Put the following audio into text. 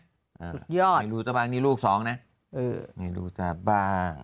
สุดยอดไม่รู้จังบ้างนี่ลูก๒นะเออไม่รู้จังบ้าง